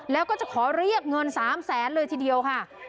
แล้วก็จะขอเรียกเงิน๓แสนเลยทีเดียวค่ะ